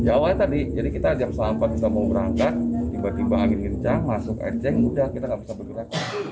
ya awalnya tadi jadi kita jam empat tiga puluh kita mau berangkat tiba tiba angin kencang masuk eceng udah kita gak bisa bergerak